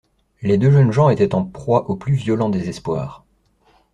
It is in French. Les deux jeunes gens étaient en proie au plus violent désespoir.